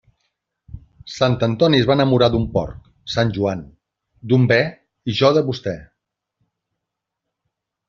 Sant Antoni es va enamorar d'un porc; Sant Joan, d'un be, i jo de vostè.